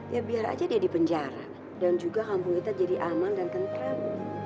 ya biar aja dia di penjara dan juga kampung kita jadi aman dan kentram